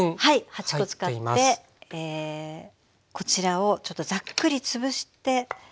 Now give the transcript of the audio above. ８コ使ってこちらをちょっとざっくり潰して。